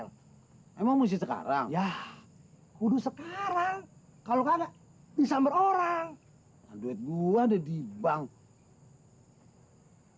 team emang mungkin sekarang ya udah sekarang kalau kagak bisa berorang haduh itu adek liber cantik